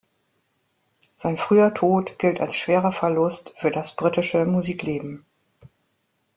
Sein früher Tod gilt als schwerer Verlust für das britische Musikleben.